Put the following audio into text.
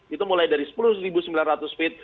itu mulai dari sepuluh sembilan ratus feet